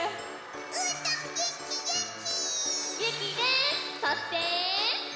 うーたんげんきげんき！